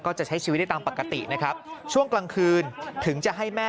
จะใช้ชีวิตได้ตามปกตินะครับช่วงกลางคืนถึงจะให้แม่